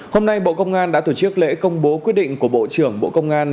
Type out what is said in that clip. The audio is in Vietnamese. hôm nay bộ công an đã thủ chiếc lễ công bố quyết định của bộ trưởng bộ công an